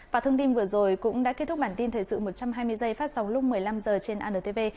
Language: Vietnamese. và thông tin vừa rồi cũng đã kết thúc bản tin thời sự một trăm hai mươi giây phát sóng lúc một mươi năm h trên antv